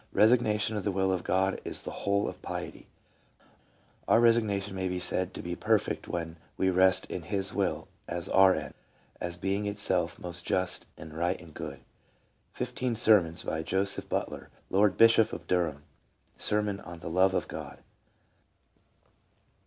Resignation to the will of God is the whole of piety Our resignation may be said to be perfect when we rest in His will as our end, as being itself most just and right and good.—" Fifteen Sermons," by Joseph Butler, Lord Bishop of Durham. Sermon on the Love of God.